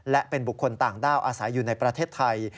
และเป็นบุคคลต่างด้าวอาศัยอยู่ในประเทศไทย